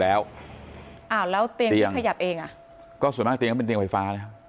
แล้วแล้วเตียงที่ขยับเองอ่ะก็ส่วนมากที่เป็นเตียงไฟฟ้า